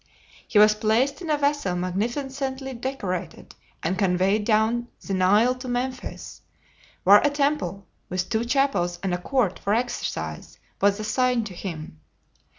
He was placed in a vessel magnificently decorated and conveyed down the Nile to Memphis, where a temple, with two chapels and a court for exercise, was assigned to him.